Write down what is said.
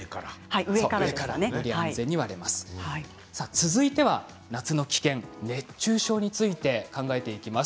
続いては夏の危険熱中症について考えていきます。